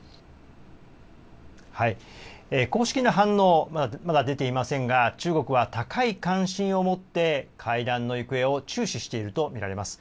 公式な反応、まだ出ていませんが中国は高い関心を持って会談の行方を注視していると見られます。